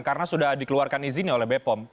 karena sudah dikeluarkan izinnya oleh bepom